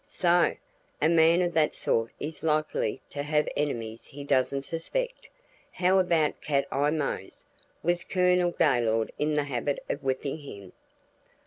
"So! A man of that sort is likely to have enemies he doesn't suspect. How about Cat Eye Mose? Was Colonel Gaylord in the habit of whipping him?"